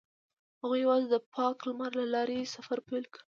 هغوی یوځای د پاک لمر له لارې سفر پیل کړ.